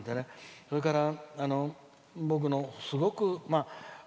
それから、僕のすごく。